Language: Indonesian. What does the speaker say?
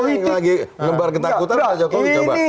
sebenarnya ini lagi ngembar ketakutan pak jokowi coba